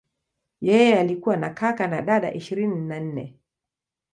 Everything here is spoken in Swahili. Yeye alikuwa na kaka na dada ishirini na nne.